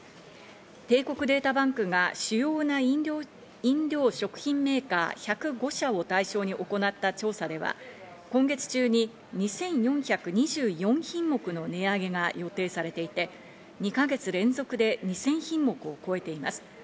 帝国データバンクが主要な飲料食品メーカー１０５社を対象に行った調査では、今月中に２４２４品目の値上げが予定されていて、２か月連続で２０００品目を超えています。